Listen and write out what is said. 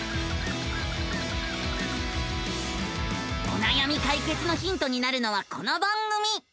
おなやみ解決のヒントになるのはこの番組。